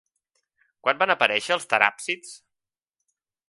Quan van aparèixer els teràpsids?